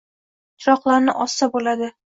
chiroqlarni ossa boʼladi